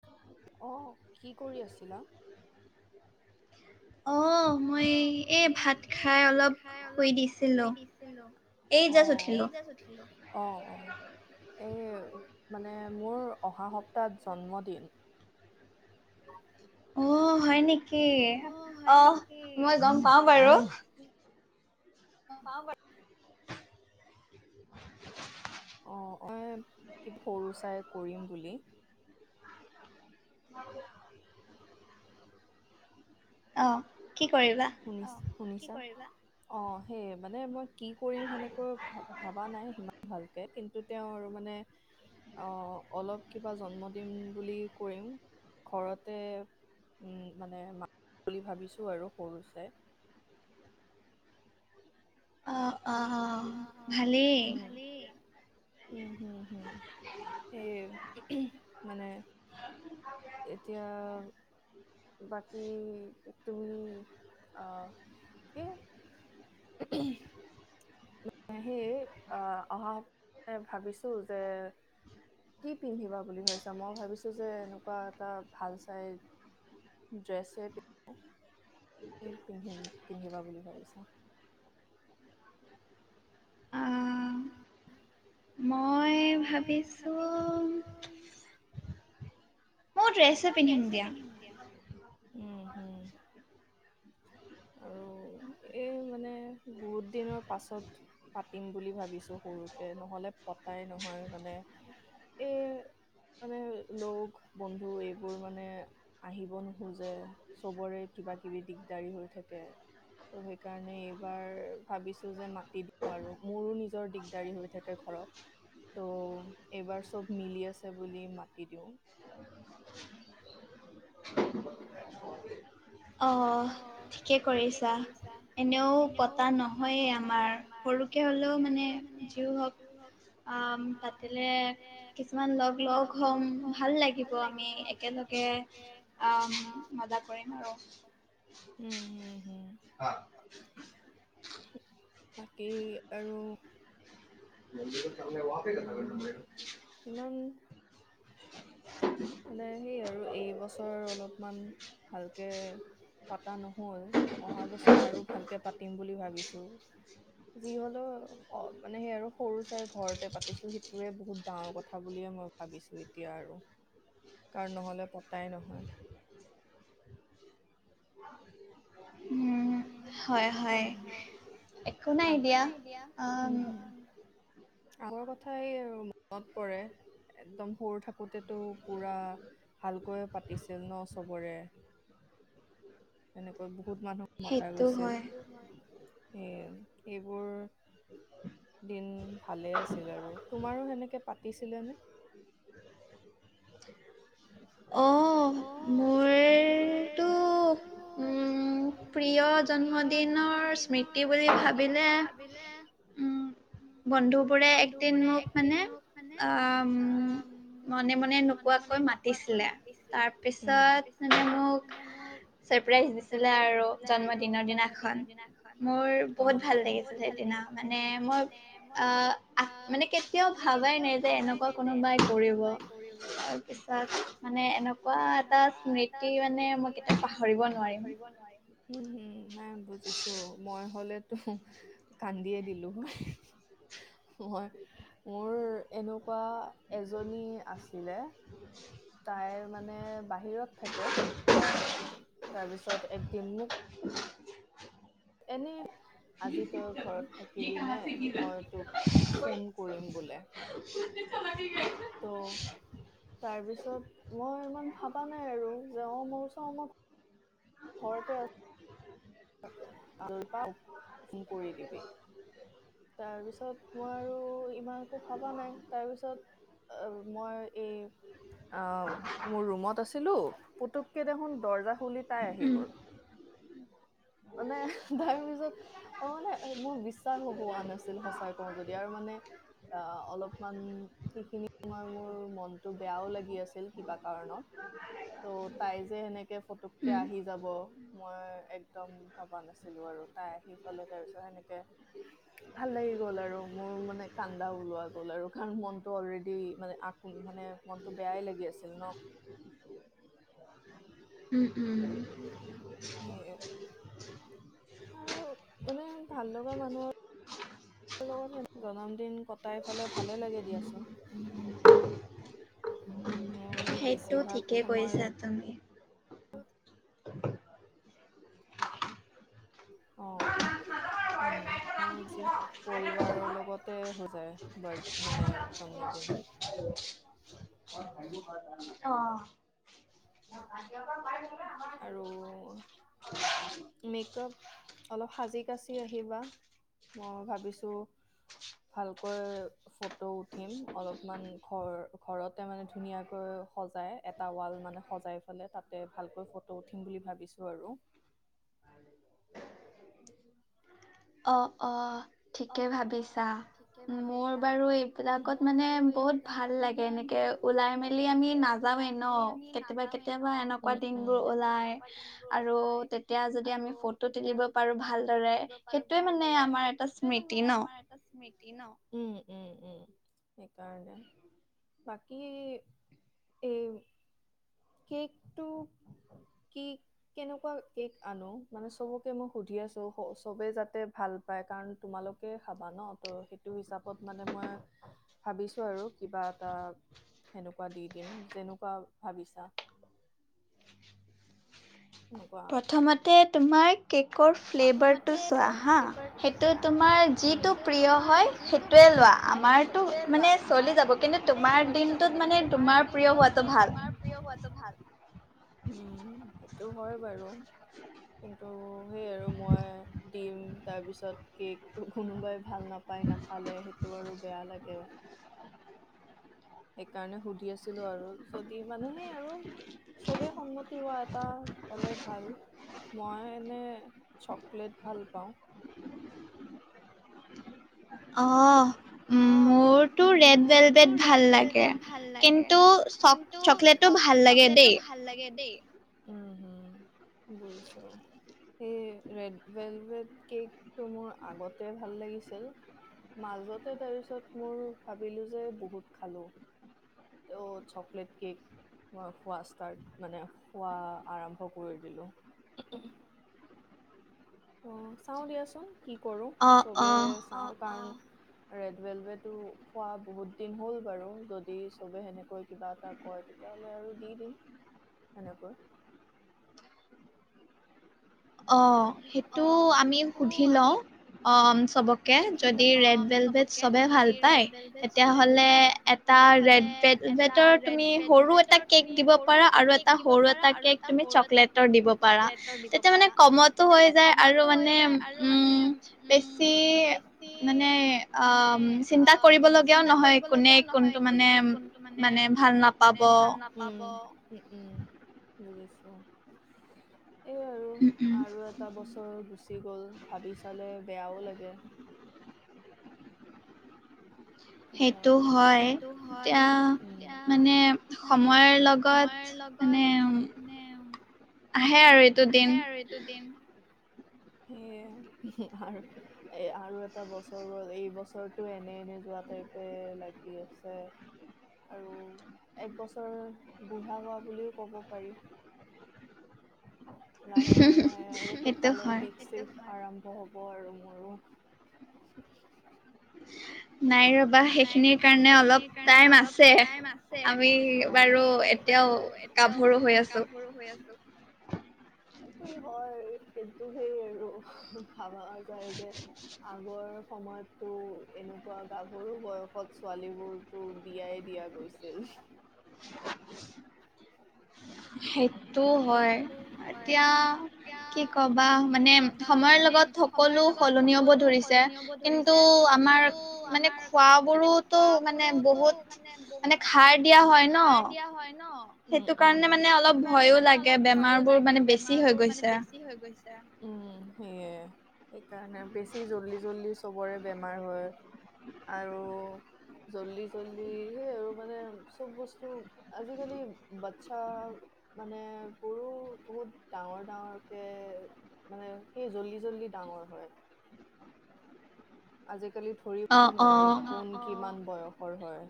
[unintelligible] অ', কি কৰি আছিলা? অ', মই এই ভাত খাই অলপ শুই দিছিলোঁ। অ', এই জাষ্ট উঠিলোঁ। অ', অ', এই মানে মোৰ অহা সপ্তাহত জন্মদিন। অ', হয়, নেকি? অহ, মই গম পাওঁ বাৰু। [unintelligible] [unintelligible] অ', [inaudible] সৰু চাই কৰিম বুলি। [unintelligible] অ', কি কৰিবা? শুনিছ-শুনিছা? কি কৰিবা? অ', সেয়ে মানে মই কি কৰিম, সেনেকৈ ভা-ভাবা নাই, সিমান ভাল কে, কিন্তু তেওঁ আৰু মানে অ', অলপ কিবা জন্মদিন বুলি কৰিম, ঘৰতে উম, মানে [inaudible] বুলি ভাবিছোঁ আৰু সৰু চাই। অ', অ' অ', অ', ভালেই উম, হম, হম, সেই মানে এতিয়া বাকী তুমি‌ আ, কি? [unintelligible] সেই অ', অহা সপ্তাহে ভাবিছোঁ যে কি পিন্ধিবা বুলি ভাবিছা? মই ভাবিছোঁ যে, এনেকুৱা এটা ভাল চাই ড্ৰেছে পি কি পিন্ধিম, পিন্ধিবা বুলি ভাবিছা? অ', মই ভাবিছোঁ মো, ড্ৰেছে পিন্ধিম দিয়া, উম, হম। আৰু এই মানে বহুত দিনৰ পাছত পাতিম বুলি ভাবিছোঁ সৰুকে নহ'লে, পতাই নহয় মানে। এই মানে লগ, বন্ধু এইবোৰ মানে আহিব নোখোজে, চবৰে কিবা, কিবি দিগদাৰি হৈ থাকে। ত' সেইকাৰণে এইবাৰ ভাবিছোঁ যে, মাতি দিওঁ আৰু, মোৰো নিজৰ দিগদাৰী হৈ থাকে ঘৰত ত' এইবাৰ চব মিলি আছে বুলি মাতি দিওঁ। [unintelligible] [unintelligible] [unintelligible] অ', ঠিকে কৰিছা, এনেয়ো পতা নহয়ে আমাৰ সৰু কে হ'লেও মানে যিয়ো হওঁক অ', পাতিলে কিছুমান লগ, লগ হম ভাল লাগিব আমি একেলগে আ, মজা কৰিম আৰু। হম, হম, হম। বাকী আৰু [unintelligible] কিমান মানে হেৰি আৰু, এইবছৰ অলপমান ভালকে পাতা নহ'ল। অহা বছৰ আৰু ভালকে পাতিম বুলি ভাবিছো। যি হলেও অ', মানে সেই আৰু সৰু চাই ঘৰতে পাতিছো, সেইটোৱে বহুত ডাঙৰ কথা বুলিয়ে মই ভাবিছো এতিয়া আৰু। কাৰণ নহ'লে পতাই নহয়। উম', হয় হয়, আ', একো নাই দিয়া, হোম, হোম। আগৰ কথাই মনত পৰে, একদম সৰু থাকোতেতো পুৰা ভালকৈ পাতিছিল ন চবৰে, সেনেকৈ বহুত মানুহ মতা গৈছিল, সেইটো হয়, এ এইবোৰ দিন ভালে আছিল আৰু, তোমাৰো সেনেকে পাতিছিলে নে? অ', মোৰটো উম' প্ৰিয় জন্মদিনৰ স্মৃতি বুলি ভাবিলে বন্ধু বোৰে একদিন মোক মানে আ', মনে মনে নোকোৱাকৈ মাতিছিলে, তাৰপিছত মানে মোক ছাৰপ্ৰাইজ দিছিলে আৰু জন্মদিন ৰ দিনাখন, মোৰ বহুত ভাল লাগিছিল সেইদিনা, মানে মই আহ' আহ', মানে কেতিয়াও ভাবাই নাই যে এনেকুৱা কোনোবাই কৰিব। তাৰ পিছত মানে এনেকুৱা এটা স্মৃতি মানে মই কেতিয়াও পা মই কেতিয়াও পাহৰিব নোৱাৰিম, উহ, হম', নাই বুজিছো, মই হ'লে টো কান্দিয়ে দিলো হয়। মই মোৰ এনেকুৱা এজনী আছিলে। [inaudible] তাই মানে বাহিৰত থাকে, তাই তাৰপিছত একদিন মোক [inaudible] এনে আজি তই ঘৰত থাকিবি নে? মই তোক ফোন কৰিম বোলে। [unintelligible] ত' তাৰপিছত মই ইমান ভাবা নাই আৰু, যে অ', মই কৈছো অ', মই ঘৰতে আছ [unintelligible] ফোন কৰি দিবি। তাৰপিছত মই আৰু ইমান একো ভবা নাই, তাৰপিছত মই এই অ', মোৰ ৰুমত আছিলো, পুতুককে দেখোন দৰ্জা খুলি তাই আহি গ'ল। মানে তাৰ পিছত অ', মানে মোৰ বিশ্বাস হ হোৱা নাছিল সঁচাই কওঁ যদি, আৰু মানে আ', অলপমান সেইখিনি সময়ত মোৰ মনতটো বেয়াও লাগি আছিল কিবা কাৰনত। ত' তাই যে সেনেকে ফটুককে আহি যাব, মই একদম ভবা নাছিলো আৰু, তাই আহিফালে তাৰ পিছত সেনেকে ভাল লাগি গ'ল আৰু মোৰ মানে কান্দা ওলোৱা গ'ল আৰু, কাৰণ মনটো অলৰেডি মানে আকোন মানে মনটো বেয়াই লাগি আছিল ন। উম উম। উম উম সেয়ে আৰু মানে ভাল লগা মানুহৰ [unintelligible] লগত জন্ম দিন কটাই পালে ভালে লাগে দিয়াচোন। মোৰ বেছিভাগ সময় হুম [unintelligible] অ' উম মোৰ যি পৰিবাৰৰ লগতে হৈ যায় বাৰ্থ মানে জন্মদিন [inaudible] [unintelligible] অ। অ বাহিৰৰ পৰা পাই থাকিলে আমাৰ মেকআপ অলপ সাজি কাচি আহিবা। মই ভাবিছোঁ ভালকৈ ফটো উঠিম, অলপমান ঘৰ ঘৰতে মানে ধুনীয়াকৈ সজাই এটা ৱাল মানে- সজাই পেলাই তাতে ভালকৈ ফটো উঠিম বুলি ভাবিছোঁ আৰু। অ অ। ঠিকে ভাবিছা মোৰ বাৰু এইবিলাকত মানে বহুত ভাল লাগে এনেকে ওলাই মেলি আমি নাযাওঁৱেই ন। কেতিয়াবা কেতিয়াবা এনেকুৱা দিনবোৰ ওলাই আৰু- তেতিয়া যদি আমি ফটো তুলিব পাৰো ভালদৰে সেইটোয়ে মানে আমাৰ সেইটোয়ে মানে আমাৰ এটা স্মৃতি ন। উম, উম সেইকাৰণে। বাকী, এ কেকটো কেক কেনেকুৱা কেক আনো, মানে চবকে মই সুধি আছোঁ, চবে যাতে ভাল পাই কাৰণ তোমালোকে খাবা ন! ত সেইটো হিচাপত মানে মই- ভাবিছোঁ আৰু কিবা এটা সেনেকুৱা দি দিম। যেনেকুৱা ভাবিছা। প্ৰথমতে তোমাক কে'কৰ ফ্লেভাৰটো চোৱা হা সেইটো তোমাৰ যিটো প্ৰিয় হয় সেইটোয়ে লোৱা আমাৰতো মানে চলি যাব কিন্তু তোমাৰ দিনটোত মানে তোমাৰ প্ৰিয় হোৱাটো ভাল। প্ৰিয় হোৱাটো ভাল উম সেইটো হয় বাৰু কিন্তু সেই আৰু মই দিম। তাৰপিছত কেকটো কোনোবাই ভাল নাপায়। নাখালে সেই টো আৰু বেয়া লাগে। সেইকাৰণে সুধি আছিলো আৰু যদি মানে সেই আৰু। চবেই সন্মতি হোৱা এটা হলে ভাল। মই এনে চকলেট ভাল পাওঁ। অঁহ অ' মোৰতটো ৰেড বেলবেট ভাল লাগে। কিন্তু টো চকলেটটো ভাল লাগে দেই। উম, উম বুজিছোঁ। সেই ৰেড ভেলভেট কেক টো মোৰ আগতে ভাল লাগিছিল। মাজতে তাৰপিছত মোৰ ভাবিলো যে বহুত খালো অঁ, চকলেট কেক। মই শোৱা ষ্টাৰ্ট, মানে খোৱা আৰম্ভ কৰি দিলোঁ উম চাও দিয়াচোন কি কৰো চবে চাওঁ কাৰণ ৰেড ভেলবেটো খোৱা বহুত দিন হ'ল বাৰু যদি চবে সেনেকৈ কিবা এটা কয় তেতিয়াহ'লে আৰু দি দিম সেনেকৈ অ সেইটো আমি সুধি লওঁ অ চবক কে যদি ৰেড ভেলট চবে ভাল পায় তেতিয়াহলে এ এটা ৰেড ভেট, ভেটৰ তুমি সৰু এটা কেক দিব পাৰা আৰু এটা সৰু এটা কেক তুমি চকলেট- দিব পাৰা তেতিয়া মানে কমতো হৈ যায় আৰু মানে উম বেছি সেয়ে মানে অ চিন্তা কৰিবলগীয়াও নহয় কোনে কোনটো মানে মানে ভাল নাপাব, সোমাব উম উম বুজিছো এই আৰু আৰু এটা বছৰ গুচি গ'ল ভাবি চালে বেয়াও লাগে। মানে সেইটো হয় উম এতিয়া মানে সময়ৰ লগত কত এনে আহে আৰু এত আহে আৰু এইটো দিন, সেয়াই [unintelligible] এ আৰু এটা বছৰ গল, এই বছৰটো এনে এনে যোৱা টাইপে লাগি আছে। আৰু এক বছৰ বুঢ়া হোৱা বুলিও ক'ব পাৰি। লাহে লাহে আৰু ককালৰ বিষ চিষ আৰম্ভ হব আৰু মোৰো। নাই ৰ বা সেইখিনিৰ কাৰণে অলপ টাইম আছে, আমি বাৰু এতিয়াও গাভৰু হৈ আছো। সেইটো হয় কিন্তু সেই আৰু ভাবা যায় যে আগৰ সময়ত তো এনেকুৱা গাভৰু বয়সত ছোৱালী বোৰতো বিয়াই দিয়া গৈছিল। [inaudible] সেইটো হয় এতিয়া কি কবা মানে সময়ৰ লগত সকলো সলনি হব ধৰিছে কিন্ টো আমাৰ মানে খোৱ বোৰোতো মানে বহুত মানে খাৰ দিয়া হয় ন সেইটো কাৰণে মানে অলপ ভয়ো লাগে বেমাৰ বোৰ মানে বেছি হৈ গৈছে। বেছি হৈ গৈছে। উম সেইয়ে সেইকাৰণে বেছি জল্দি জল্দি সবৰে বেমাৰ হয় আৰু জল্দি জল্দি সেই আৰু মানে চব বস্তু আজিকালি বাচ্ছা মানে বোৰো বহুত ডাঙৰ ডাঙৰকে মানে সেই জল্দি জল্দি ডাঙৰ হয়। আজিকালি ধৰিবই নোৱাৰি অঁ অঁ কোন কিমান বয়সৰ হয়।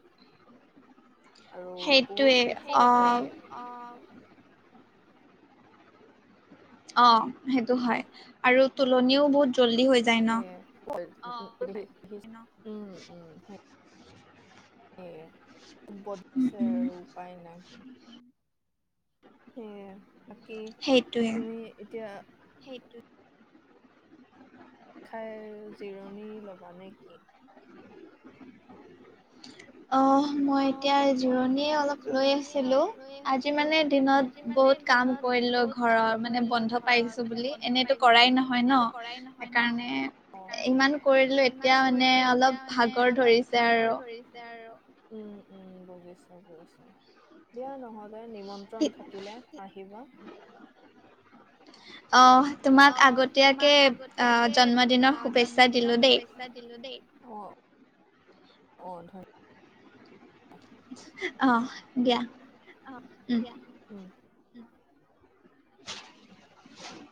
আৰু বহুত ওখ ওখ, সেইটোৱে অঁ অঁ সেইটো হয়, আৰু তুলনিও বহুত জল্দি হৈ যা সেইয়ে [unintelligible] উম উম। সেইয়ে। [unintelligible] আৰু উপায় নাই সেইয়ে। বাকী তুমি এতিয়া সেইটো খায় জিৰণি ল'বা নে কি? অঁহ। মই এতিয়া জোৰণি অলপ লৈ আছিলো, আজি মানে দিনত বহুত কাম কৰিলো ঘৰৰ মানে বন্ধ পাইছো বুলি, এনেইটো কৰাই নহয় ন সেইকাৰণে ইমান কৰিলো এতিয়া মানে অলপ ভাগৰ ধৰিছে আৰু। উম, উম, বুজিছো বুজিছো দিয়া নহ'লে নিমন্ত্ৰণ থাকিলে। আহিবা। অ', তোমাক আগতীয়াকে আহ জন্মদিনৰ শুভেচ্ছা দিলো দেই। চ্ছা দিলো দেই অ', অ', ধন অহ দিয়া। অ', দিয়া। উম। [inaudible]